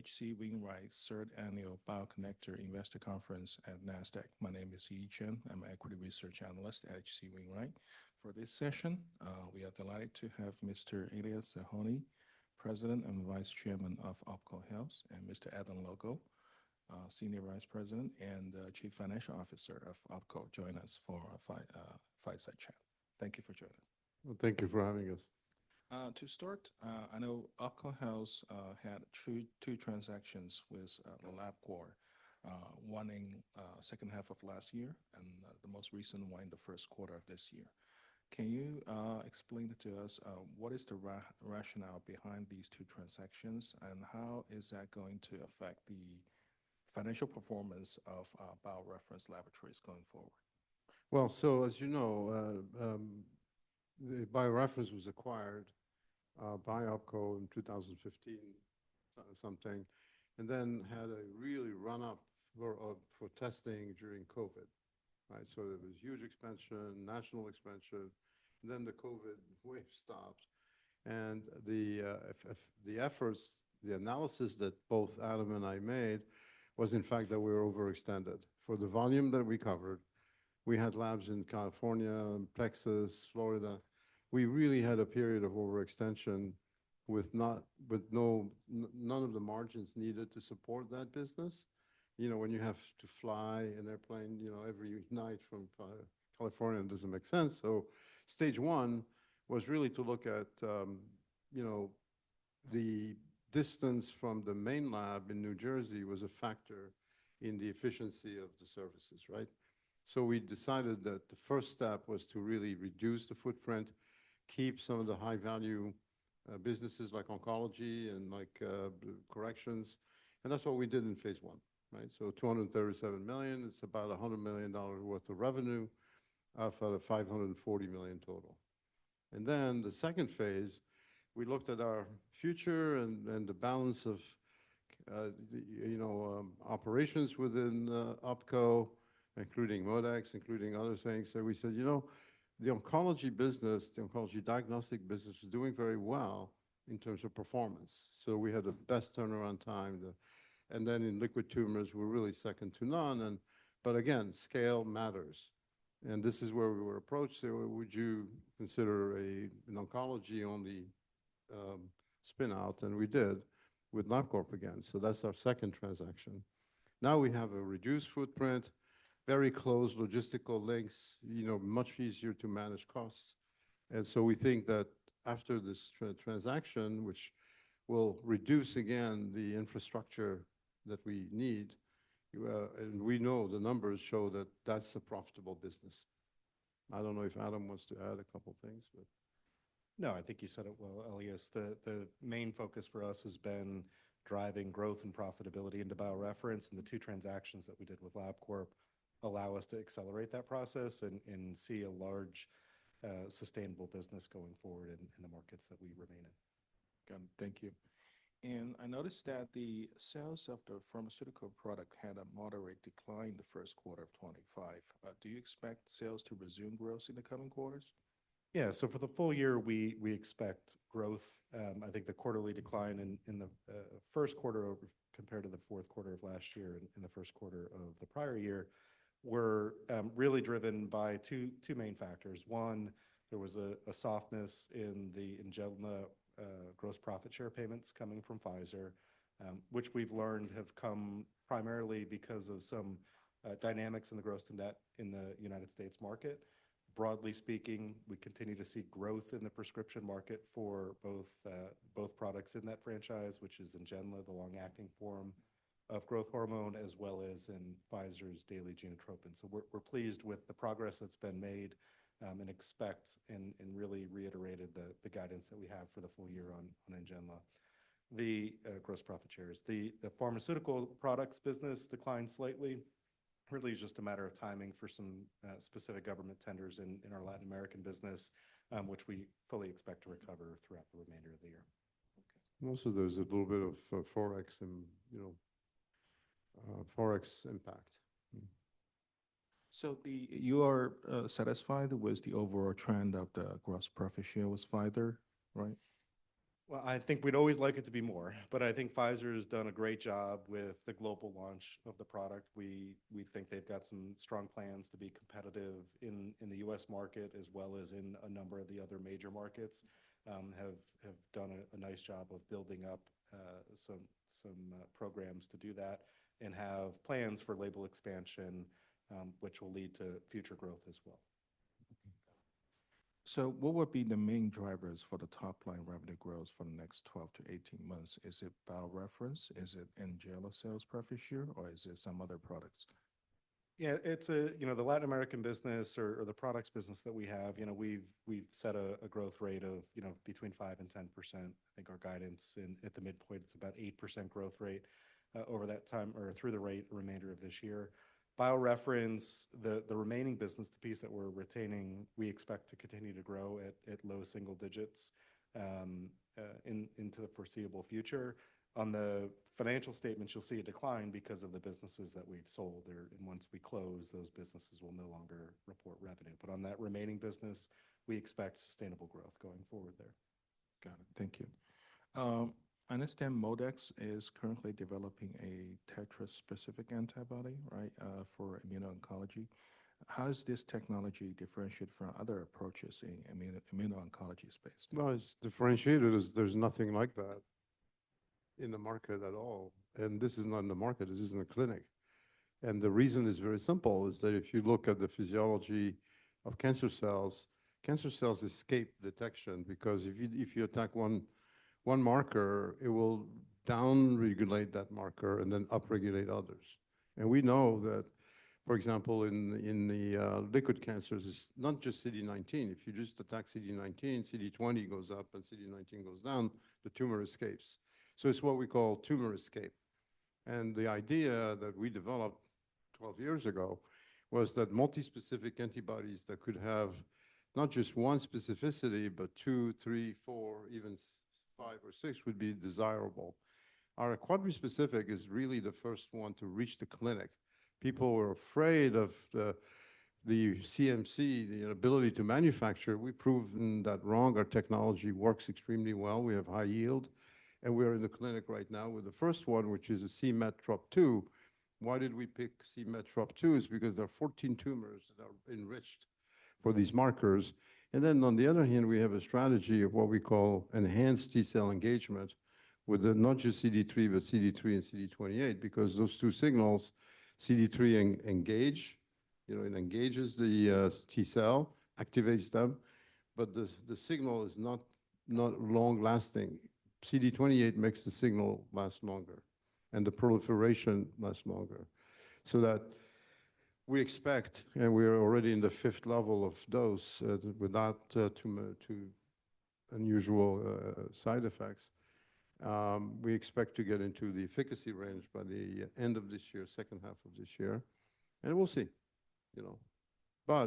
HC Wainwright's third annual BioConnector Investor Conference at NASDAQ. My name is Yi Chen. I'm an equity research analyst at HC Wainwright. For this session, we are delighted to have Mr. Elias Zerhouni, President and Vice Chairman of OPKO Health, and Mr. Adam Logal, Senior Vice President and Chief Financial Officer of OPKO, join us for a fireside chat. Thank you for joining. Thank you for having us. To start, I know OPKO Health had two transactions with LabCorp, one in the second half of last year and the most recent one in the first quarter of this year. Can you explain to us what is the rationale behind these two transactions, and how is that going to affect the financial performance of BioReference Health going forward? As you know, BioReference Health was acquired by OPKO Health in 2015, something, and then had a really run-up for testing during COVID, right? There was huge expansion, national expansion, and then the COVID wave stopped. The efforts, the analysis that both Adam and I made was, in fact, that we were overextended for the volume that we covered. We had labs in California, Texas, Florida. We really had a period of overextension with none of the margins needed to support that business. You know, when you have to fly an airplane, you know, every night from California, it does not make sense. Stage one was really to look at, you know, the distance from the main lab in New Jersey was a factor in the efficiency of the services, right? We decided that the first step was to really reduce the footprint, keep some of the high-value businesses like oncology and like corrections. That is what we did in phase I, right? $237 million, it is about $100 million worth of revenue out of a $540 million total. The second phase, we looked at our future and the balance of, you know, operations within OPKO, including MODEX, including other things. We said, you know, the oncology business, the oncology diagnostic business is doing very well in terms of performance. We had the best turnaround time. In liquid tumors, we are really second to none. Again, scale matters. This is where we were approached. Would you consider an oncology-only spinout? We did with LabCorp again. That is our second transaction. Now we have a reduced footprint, very close logistical links, you know, much easier to manage costs. We think that after this transaction, which will reduce again the infrastructure that we need, and we know the numbers show that that is a profitable business. I do not know if Adam wants to add a couple of things, but. No, I think you said it well, Elias. The main focus for us has been driving growth and profitability into BioReference. The two transactions that we did with LabCorp allow us to accelerate that process and see a large sustainable business going forward in the markets that we remain in. Got it. Thank you. I noticed that the sales of the pharmaceutical product had a moderate decline in the first quarter of 2025. Do you expect sales to resume growth in the coming quarters? Yeah. For the full year, we expect growth. I think the quarterly decline in the first quarter compared to the fourth quarter of last year and the first quarter of the prior year were really driven by two main factors. One, there was a softness in the Angelma gross profit share payments coming from Pfizer, which we've learned have come primarily because of some dynamics in the gross and net in the United States market. Broadly speaking, we continue to see growth in the prescription market for both products in that franchise, which is Angelma, the long-acting form of growth hormone, as well as in Pfizer's daily Genotropin. We're pleased with the progress that's been made and really reiterated the guidance that we have for the full year on Angelma, the gross profit shares. The pharmaceutical products business declined slightly. Really just a matter of timing for some specific government tenders in our Latin American business, which we fully expect to recover throughout the remainder of the year. Most of those are a little bit of Forex and, you know, Forex impact. You are satisfied with the overall trend of the gross profit share with Pfizer, right? I think we'd always like it to be more, but I think Pfizer has done a great job with the global launch of the product. We think they've got some strong plans to be competitive in the U.S. market as well as in a number of the other major markets. Have done a nice job of building up some programs to do that and have plans for label expansion, which will lead to future growth as well. What would be the main drivers for the top-line revenue growth for the next 12 to 18 months? Is it BioReference? Is it Angelma sales profit share? Or is it some other products? Yeah, it's, you know, the Latin American business or the products business that we have, you know, we've set a growth rate of, you know, between 5% and 10%. I think our guidance at the midpoint, it's about 8% growth rate over that time or through the remainder of this year. BioReference, the remaining business, the piece that we're retaining, we expect to continue to grow at low single digits into the foreseeable future. On the financial statements, you'll see a decline because of the businesses that we've sold there. Once we close, those businesses will no longer report revenue. On that remaining business, we expect sustainable growth going forward there. Got it. Thank you. I understand MODEX is currently developing a tetra-specific antibody, right, for immuno-oncology. How is this technology differentiated from other approaches in the immuno-oncology space? It is differentiated as there is nothing like that in the market at all. This is not in the market. This is in the clinic. The reason is very simple is that if you look at the physiology of cancer cells, cancer cells escape detection because if you attack one marker, it will downregulate that marker and then upregulate others. We know that, for example, in the liquid cancers, it is not just CD19. If you just attack CD19, CD20 goes up and CD19 goes down, the tumor escapes. It is what we call tumor escape. The idea that we developed 12 years ago was that multi-specific antibodies that could have not just one specificity, but two, three, four, even five or six would be desirable. Our quadru specific is really the first one to reach the clinic. People were afraid of the CMC, the ability to manufacture. We have proven that wrong. Our technology works extremely well. We have high yield. We are in the clinic right now with the first one, which is a c-Met/DLL3. Why did we pick c-Met/DLL3? It is because there are 14 tumors that are enriched for these markers. On the other hand, we have a strategy of what we call enhanced T-cell engagement with not just CD3, but CD3 and CD28 because those two signals, CD3 engages, you know, it engages the T-cell, activates them, but the signal is not long-lasting. CD28 makes the signal last longer and the proliferation last longer. We expect, and we are already in the fifth level of dose without too unusual side effects. We expect to get into the efficacy range by the end of this year, second half of this year. We will see, you know.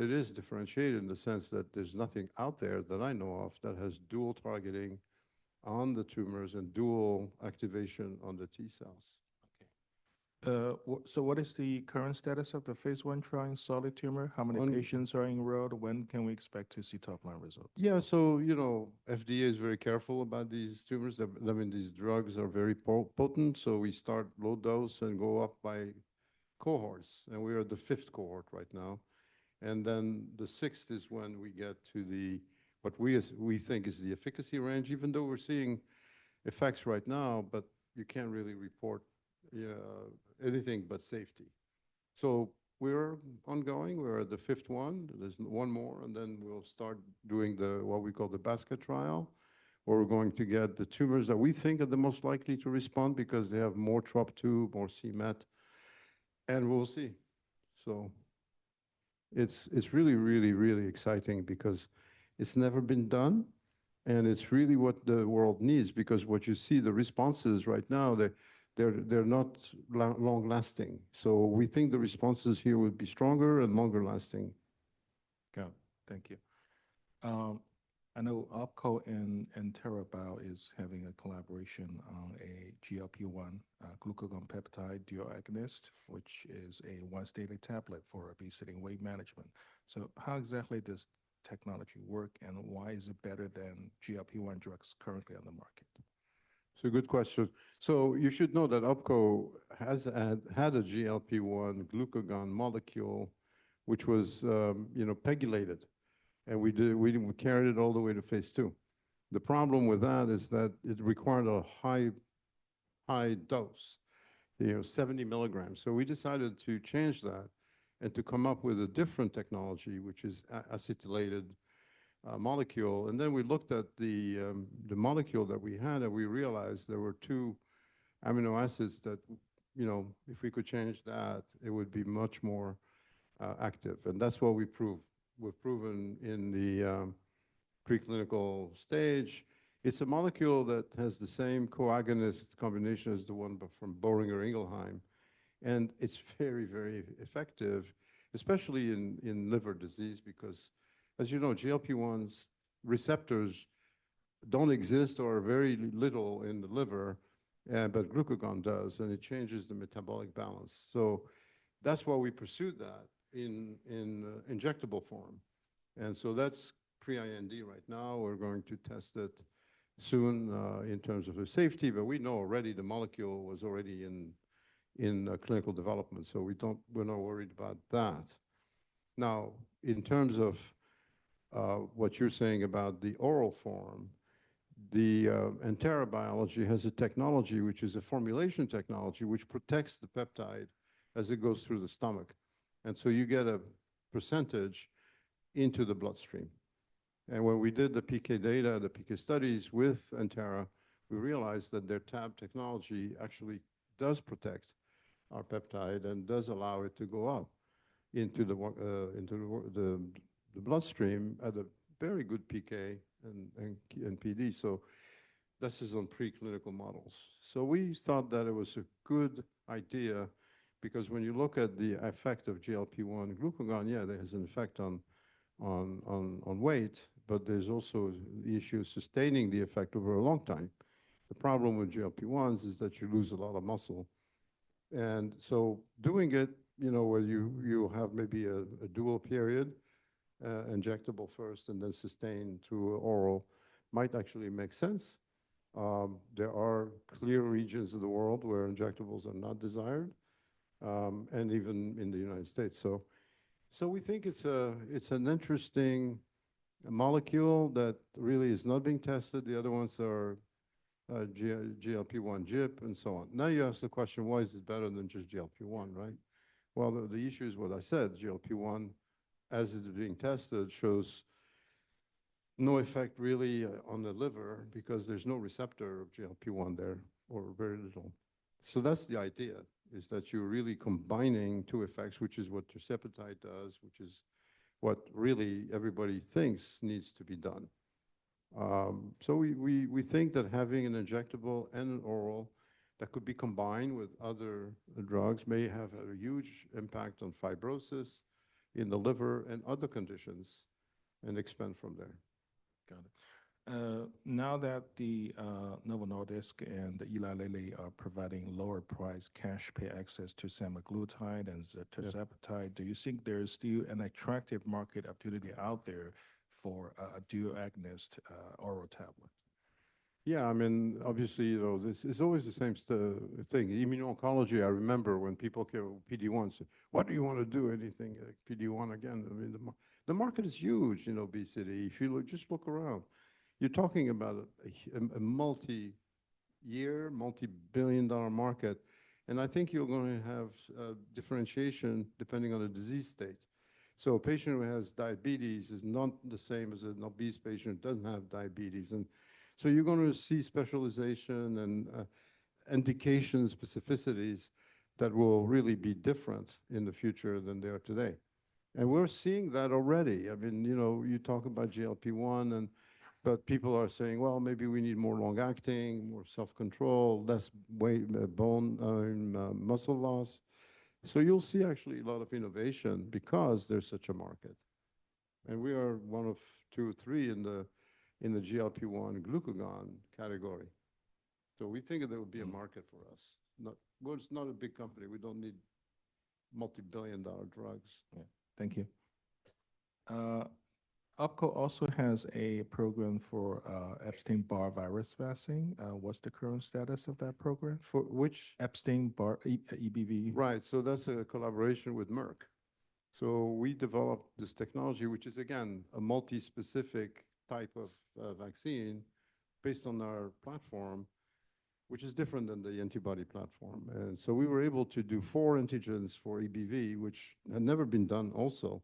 It is differentiated in the sense that there's nothing out there that I know of that has dual targeting on the tumors and dual activation on the T-cells. Okay. So what is the current status of the phase I trial in solid tumor? How many patients are enrolled? When can we expect to see top-line results? Yeah. So, you know, FDA is very careful about these tumors. I mean, these drugs are very potent. We start low dose and go up by cohorts. We are the fifth cohort right now. The sixth is when we get to what we think is the efficacy range, even though we're seeing effects right now, but you can't really report anything but safety. We're ongoing. We're at the fifth one. There's one more. Then we'll start doing what we call the basket trial, where we're going to get the tumors that we think are the most likely to respond because they have more drop two, more c-Met. We'll see. It's really, really, really exciting because it's never been done. It's really what the world needs because what you see, the responses right now, they're not long-lasting. We think the responses here would be stronger and longer lasting. Got it. Thank you. I know OPKO and Entera Bio is having a collaboration on a GLP-1 glucagon peptide dual agonist, which is a once-daily tablet for obesity and weight management. How exactly does the technology work and why is it better than GLP-1 drugs currently on the market? It's a good question. You should know that OPKO has had a GLP-1/Glucagon Co-agonist, which was, you know, pegulated. We carried it all the way to phase II. The problem with that is that it required a high dose, you know, 70 milligrams. We decided to change that and to come up with a different technology, which is acetylated molecule. Then we looked at the molecule that we had and we realized there were two amino acids that, you know, if we could change that, it would be much more active. That's what we've proven in the preclinical stage. It's a molecule that has the same coagonist combination as the one from Boehringer Ingelheim. It is very, very effective, especially in liver disease because, as you know, GLP-1 receptors do not exist or are very little in the liver, but glucagon does, and it changes the metabolic balance. That is why we pursued that in injectable form. That is pre-IND right now. We are going to test it soon in terms of the safety, but we know already the molecule was already in clinical development. We are not worried about that. In terms of what you are saying about the oral form, the Entera biology has a technology, which is a formulation technology, which protects the peptide as it goes through the stomach. You get a percentage into the bloodstream. When we did the PK data, the PK studies with Entera, we realized that their TAB technology actually does protect our peptide and does allow it to go up into the bloodstream at a very good PK and PD. This is on preclinical models. We thought that it was a good idea because when you look at the effect of GLP-1 glucagon, yeah, there is an effect on weight, but there's also the issue of sustaining the effect over a long time. The problem with GLP-1 is that you lose a lot of muscle. Doing it, you know, where you have maybe a dual period, injectable first and then sustained through oral might actually make sense. There are clear regions of the world where injectables are not desired, and even in the United States. We think it's an interesting molecule that really is not being tested. The other ones are GLP-1, GIP, and so on. You ask the question, why is it better than just GLP-1, right? The issue is what I said. GLP-1, as it's being tested, shows no effect really on the liver because there's no receptor of GLP-1 there or very little. That's the idea, that you're really combining two effects, which is what tirzepatide does, which is what really everybody thinks needs to be done. We think that having an injectable and an oral that could be combined with other drugs may have a huge impact on fibrosis in the liver and other conditions and expand from there. Got it. Now that Novo Nordisk and Eli Lilly are providing lower-priced cash pay access to semaglutide and tirzepatide, do you think there is still an attractive market opportunity out there for a dual agonist oral tablet? Yeah. I mean, obviously, you know, it's always the same thing. Immuno-oncology, I remember when people care of PD-1, said, "What do you want to do? Anything PD-1 again?" I mean, the market is huge in obesity. If you just look around, you're talking about a multi-year, multi-billion dollar market. I think you're going to have differentiation depending on the disease state. A patient who has diabetes is not the same as an obese patient who doesn't have diabetes. You're going to see specialization and indication specificities that will really be different in the future than they are today. We're seeing that already. I mean, you know, you talk about GLP-1, but people are saying, "Well, maybe we need more long-acting, more self-control, less bone muscle loss." You'll see actually a lot of innovation because there's such a market. We are one of two or three in the GLP-1 glucagon category. We think that there will be a market for us. It's not a big company. We don't need multi-billion dollar drugs. Yeah. Thank you. OPKO also has a program for Epstein-Barr virus vaccine. What's the current status of that program? For which? Epstein-Barr, EBV? Right. That is a collaboration with Merck. We developed this technology, which is, again, a multi-specific type of vaccine based on our platform, which is different than the antibody platform. We were able to do four antigens for EBV, which had never been done also.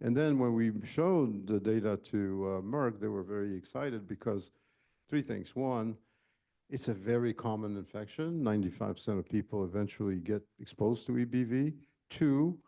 When we showed the data to Merck, they were very excited because of three things. One, it is a very common infection. 95% of people eventually get exposed to EBV. Two,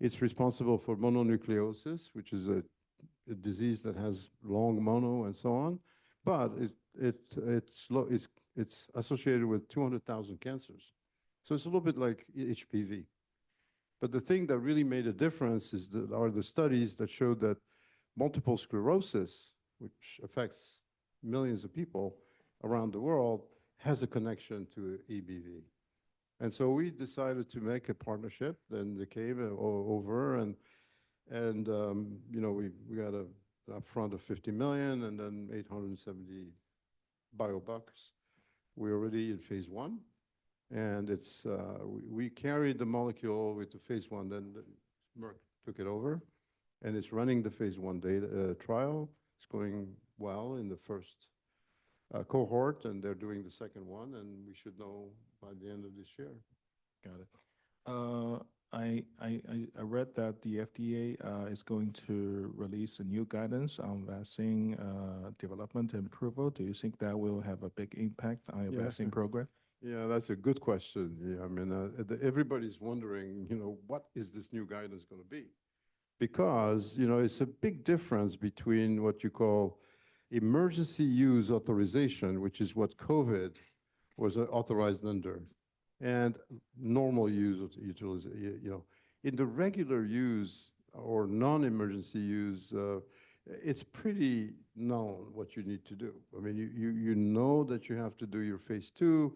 it is responsible for mononucleosis, which is a disease that has long mono and so on. It is associated with 200,000 cancers. It is a little bit like HPV. The thing that really made a difference are the studies that showed that multiple sclerosis, which affects millions of people around the world, has a connection to EBV. We decided to make a partnership in the cave over. You know, we got upfront of $50 million and then $870 million biobucks. We're already in phase I. We carried the molecule with the phase I. Merck took it over. It's running the phase I trial. It's going well in the first cohort. They're doing the second one. We should know by the end of this year. Got it. I read that the FDA is going to release a new guidance on vaccine development and approval. Do you think that will have a big impact on your vaccine program? Yeah, that's a good question. I mean, everybody's wondering, you know, what is this new guidance going to be? Because, you know, it's a big difference between what you call emergency use authorization, which is what COVID was authorized under, and normal use of, you know, in the regular use or non-emergency use, it's pretty known what you need to do. I mean, you know that you have to do your phase II.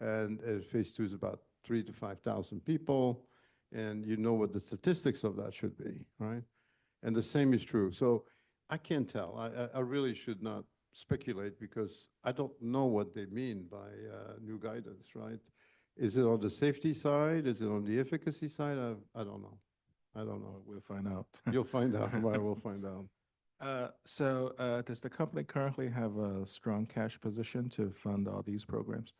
And phase II is about 3,000-5,000 people. And you know what the statistics of that should be, right? The same is true. I can't tell. I really should not speculate because I don't know what they mean by new guidance, right? Is it on the safety side? Is it on the efficacy side? I don't know. I don't know. We'll find out. You'll find out. \ We'll find out. Does the company currently have a strong cash position to fund all these programs?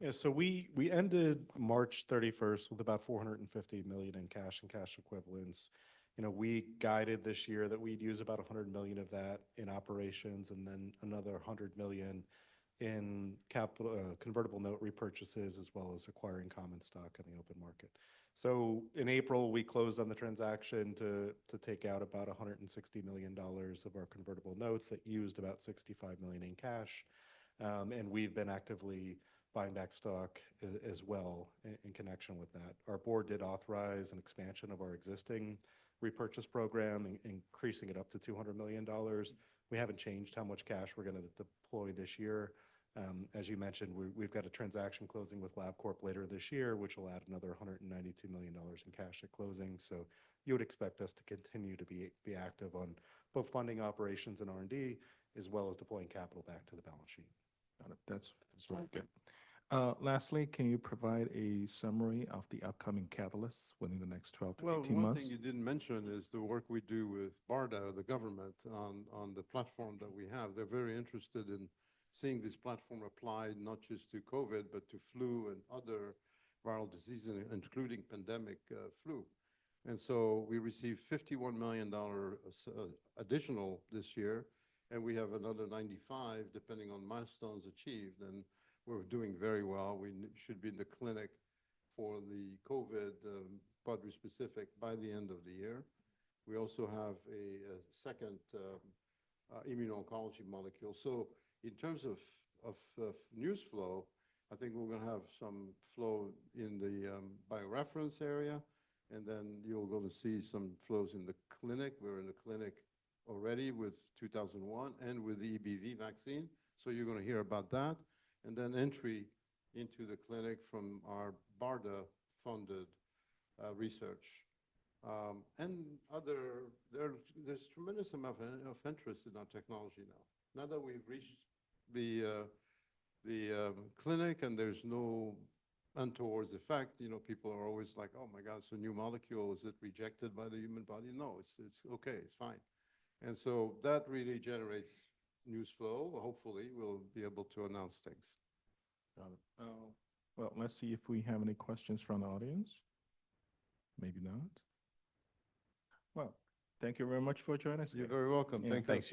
Yeah. So we ended March 31 with about $450 million in cash and cash equivalents. You know, we guided this year that we'd use about $100 million of that in operations and then another $100 million in convertible note repurchases as well as acquiring common stock in the open market. In April, we closed on the transaction to take out about $160 million of our convertible notes that used about $65 million in cash. And we've been actively buying back stock as well in connection with that. Our board did authorize an expansion of our existing repurchase program, increasing it up to $200 million. We haven't changed how much cash we're going to deploy this year. As you mentioned, we've got a transaction closing with LabCorp later this year, which will add another $192 million in cash at closing. You would expect us to continue to be active on both funding operations and R&D as well as deploying capital back to the balance sheet. Got it. That's very good. Lastly, can you provide a summary of the upcoming catalysts within the next 12 to 18 months? One thing you did not mention is the work we do with BARDA, the government, on the platform that we have. They are very interested in seeing this platform applied not just to COVID, but to flu and other viral diseases, including pandemic flu. We received $51 million additional this year. We have another $95 million depending on milestones achieved. We are doing very well. We should be in the clinic for the COVID specific by the end of the year. We also have a second immuno-oncology molecule. In terms of news flow, I think we are going to have some flow in the BioReference Health area. You are going to see some flows in the clinic. We are in the clinic already with MDX-2001 and with the EBV vaccine. You are going to hear about that, and then entry into the clinic from our BARDA-funded research. There is tremendous amount of interest in our technology now. Now that we've reached the clinic and there is no untoward effect, you know, people are always like, "Oh my God, it's a new molecule. Is it rejected by the human body?" No, it's okay. It's fine. That really generates news flow. Hopefully, we'll be able to announce things. Got it. Let's see if we have any questions from the audience. Maybe not. Thank you very much for joining us. You're very welcome. Thank you. Thanks.